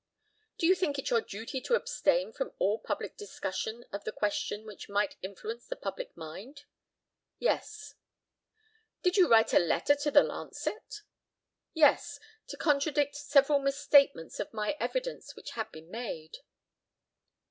Do you think it your duty to abstain from all public discussion of the question which might influence the public mind? Yes. Did you write a letter to the Lancet? Yes, to contradict several misstatements of my evidence which had been made.